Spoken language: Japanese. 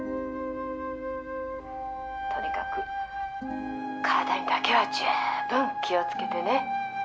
「とにかく体にだけは十分気をつけてね」